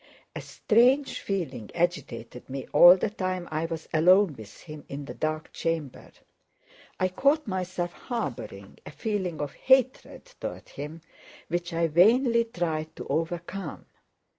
A strange feeling agitated me all the time I was alone with him in the dark chamber. I caught myself harboring a feeling of hatred toward him which I vainly tried to overcome.